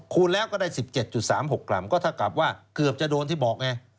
คูณแล้วก็ได้๑๗๓๖กรัมก็เท่ากับว่าเกือบจะโดนที่บอกไง